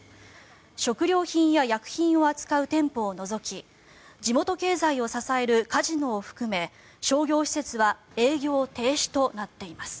食料品や薬品を扱う店舗を除き地元経済を支えるカジノを含め商業施設は営業停止となっています。